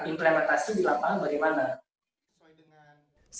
implementasi itu dilapang bagaimana